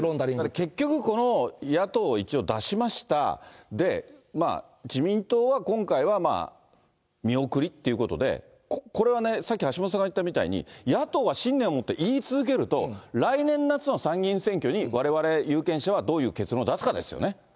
結局これ、一応野党、一応出しました、で、自民党は今回は見送りっていうことで、これはね、さっき橋下さんが言ったみたいに、野党は信念を持って言い続けると、来年夏の参議院選挙に、われわれ有権者はどういう結論を出すかですよね。